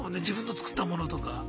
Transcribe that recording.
自分の造ったものとか。